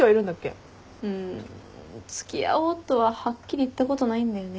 うん付き合おうとははっきり言ったことないんだよね。